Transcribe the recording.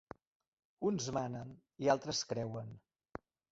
Uns manen i uns altres creuen.